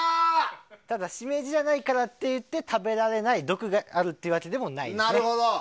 ただ、シメジじゃないからって食べられない、毒があるというわけでもないですね。